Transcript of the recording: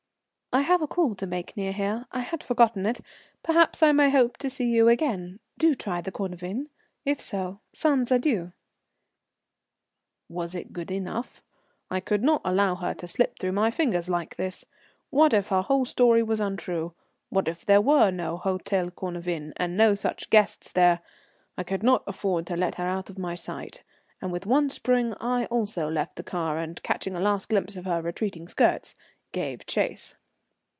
"I have a call to make near here. I had forgotten it. Perhaps I may hope to see you again. Do try the Cornavin. If so, sans adieu." Was it good enough? I could not allow her to slip through my fingers like this. What if her whole story was untrue, what if there was no Hôtel Cornavin, and no such guests there? I could not afford to let her out of my sight, and with one spring I also left the car and, catching a last glimpse of her retreating skirts, gave chase.